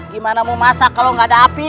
gimana mau masak kalau nggak ada api